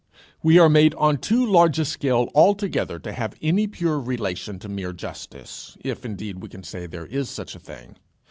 We are made on too large a scale altogether to have any pure relation to mere justice, if indeed we can say there is such a thing.